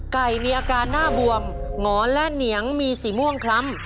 ไก่มีอาการหน้าบวมหงอนและเหนียงมีสีม่วงคล้ำ